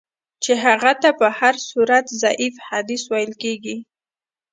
چي هغه ته په هر صورت ضعیف حدیث ویل کیږي.